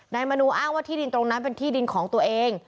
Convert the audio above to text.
มนูอ้างว่าที่ดินตรงนั้นเป็นที่ดินของตัวเอง